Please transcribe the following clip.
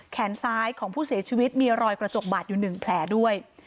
แขนซ้ายของผู้เสียชีวิตมีรอยกระจกบาดอยู่๑แผลด้วย